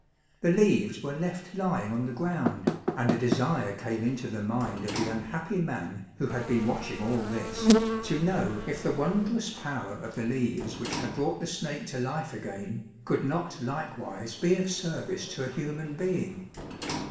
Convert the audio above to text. The leaves were left lying on the ground, and a desire came into the mind of the unhappy man who had been watching all this, to know if the wondrous power of the leaves which had brought the snake to life again, could not likewise be of service to a human being.